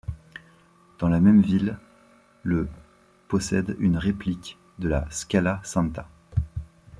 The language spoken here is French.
Dans la même ville le possède une réplique de la Scala Santa.